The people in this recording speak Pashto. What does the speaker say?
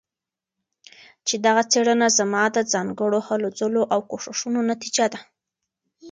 چې دغه څيړنه زما د ځانګړو هلو ځلو او کوښښونو نتيجه ده